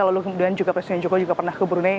lalu kemudian juga presiden jokowi juga pernah ke brunei